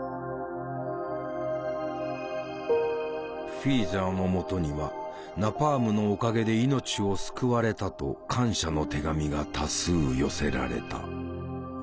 フィーザーのもとには「ナパームのおかげで命を救われた」と感謝の手紙が多数寄せられた。